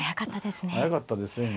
速かったですね